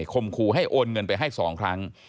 คมครูให้โอนเงินไปสองครั้ง